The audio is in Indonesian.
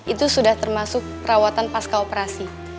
itu sudah termasuk perawatan pas ke operasi